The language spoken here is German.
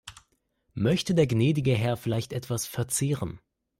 Möchte der gnädige Herr vielleicht etwas verzehren?